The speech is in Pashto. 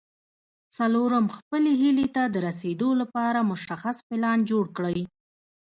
څلورم خپلې هيلې ته د رسېدو لپاره مشخص پلان جوړ کړئ.